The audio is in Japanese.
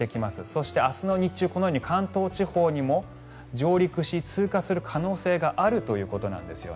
そして、明日の日中このように関東地方にも上陸し、通過する可能性があるということなんです。